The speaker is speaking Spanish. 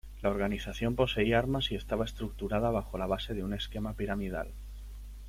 La organización poseía armas y estaba estructurada bajo la base de un esquema piramidal.